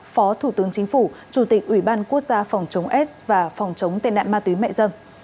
phó thủ tướng chính phủ chủ tịch ủy ban quốc gia phòng chống s và phòng chống tên nạn ma túy mẹ dân